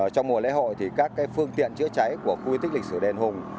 trong mùa lễ hội thì các phương tiện chữa cháy của khu di tích lịch sử đền hùng